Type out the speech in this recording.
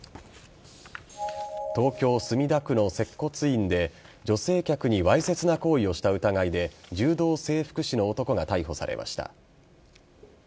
東京・墨田区の接骨院で女性客にわいせつな行為をした疑いで柔道整復師の男が逮捕されました。